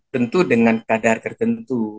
tentu dengan kadar tertentu